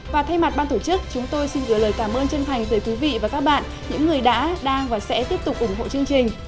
và thay mặt ban tổ chức chúng tôi xin gửi lời cảm ơn chân thành tới quý vị và các bạn những người đã đang và sẽ tiếp tục ủng hộ chương trình